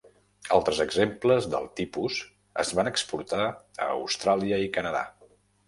Altres exemples del tipus es van exportar a Austràlia i Canadà.